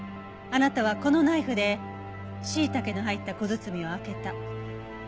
あなたはこのナイフでしいたけの入った小包を開けた。